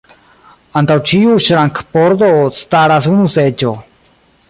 Antaŭ ĉiu ŝrankpordo staras unu seĝo.